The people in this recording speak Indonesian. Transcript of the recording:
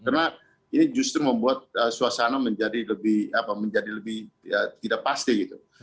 karena ini justru membuat suasana menjadi lebih tidak pasti gitu